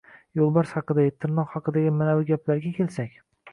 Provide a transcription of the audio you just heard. Yo‘lbars haqidagi, tirnoq haqidagi anavi gaplarga kelsak...